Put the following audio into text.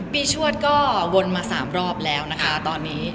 ปีชวดก็วนมาสามรอบแล้วตอนนี้